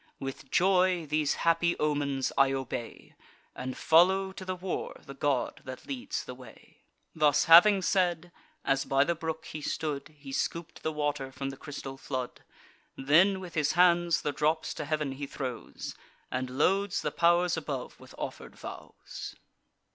With joy, these happy omens I obey, And follow to the war the god that leads the way." Thus having said, as by the brook he stood, He scoop'd the water from the crystal flood; Then with his hands the drops to heav'n he throws, And loads the pow'rs above with offer'd vows.